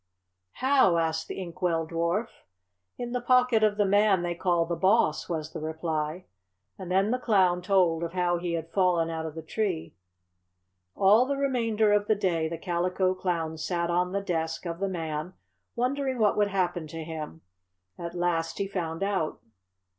"How!" asked the Ink Well Dwarf. "In the pocket of the Man they call the Boss," was the reply. And then the Clown told of how he had fallen out of the tree. All the remainder of the day the Calico Clown sat on the desk of the Man, wondering what would happen to him. At last he found out.